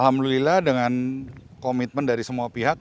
alhamdulillah dengan komitmen dari semua pihak